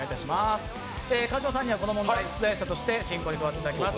川島さんにはこの問題の出題者として進行に加わっていただきます。